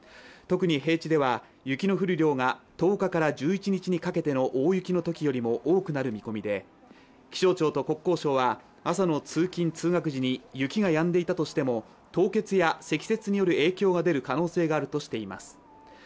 特に平地では雪の降る量が、１０日から１１日にかけての大雪のときよりも多くなる見込みで、気象庁と国交省は朝の通勤・通学時に雪がやんでいたとしても凍結や積雪による影響が出る可能性があるとしています。